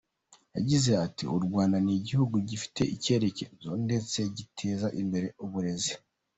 Yagize ati “ U Rwanda ni igihugu gifite icyerekezo, ndetse giteza imbere uburezi.